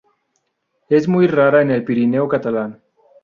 Es muy rara en el Pirineo catalán.